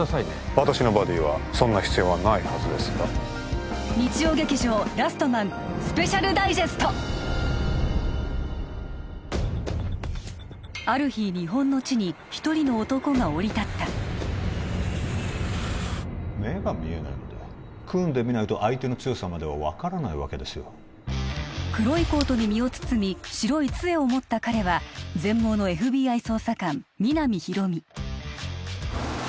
私のバディはそんな必要はないはずですがある日日本の地に一人の男が降り立った目が見えないので組んでみないと相手の強さまでは分からないわけですよ黒いコートに身を包み白い杖を持った彼は全盲のＦＢＩ捜査官皆実広見